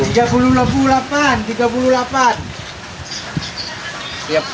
tiap tahun ganti pejabat